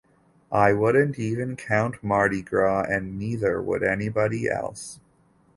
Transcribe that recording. I wouldn't even count "Mardi Gras" and neither would anybody else.